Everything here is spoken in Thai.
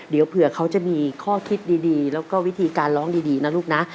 เดี๋ยวเผื่อเขาจะมีข้อคิดดีแล้วก็วิธีการร้องดีนะลูกนะ